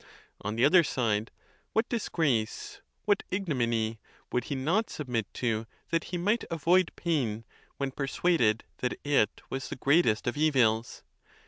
On the other side, what disgrace, what ig nominy, would he not submit to that he might avoid pain, when persuaded that it was the greatest of evils?